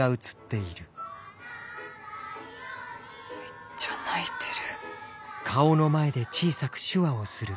めっちゃ泣いてる。